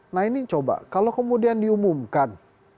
nah ini coba kalau kemudian diumumkan